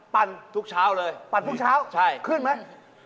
ปั่นทุกเช้าเลยปั่นทุกเช้าขึ้นมั้ย